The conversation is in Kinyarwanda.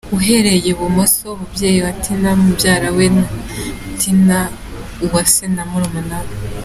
Uhereye i Bumoso; Umubyeyi wa Tina, mubyara we, Tina Uwase na murumuna we.